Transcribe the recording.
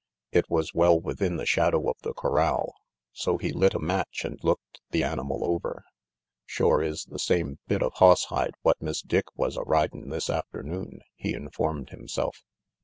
It was well within the shadow of the corral, so he lit a match and looked the animal over. "Shore is the same bit of hoss hide what Miss Dick was a ridin' this afternoon," he informed himself.